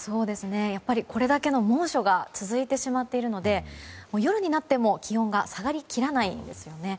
やっぱりこれだけの猛暑が続いてしまっているので夜になっても気温が下がりきらないんですよね。